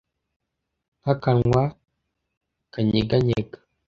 nk'akanwa kanyeganyega